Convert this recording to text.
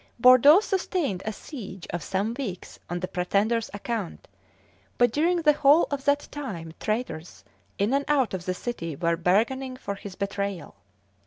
Bordeaux sustained a siege of some weeks on the pretender's account, but during the whole of that time traitors in and out of the city were bargaining for his betrayal.